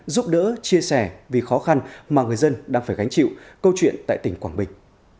giúp đỡ chia sẻ vì khó khăn mà người dân đang phải gánh chịu câu chuyện tại tỉnh quảng bình